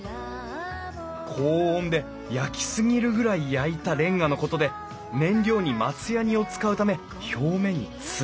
高温で焼き過ぎるぐらい焼いたれんがのことで燃料に松ヤニを使うため表面に艶が出る。